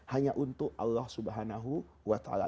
hanya untuk allah subhanahu wa ta'ala